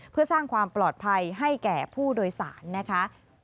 เพื่อสร้างความปลอดภัยให้แก่ผู้โดยสารนะคะ